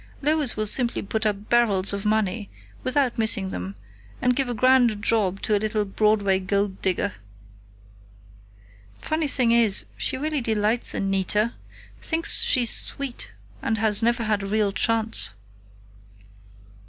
Lois will simply put up barrels of money, without missing them, and give a grand job to a little Broadway gold digger. Funny thing is, she really delights in Nita. Thinks she's sweet and has never had a real chance."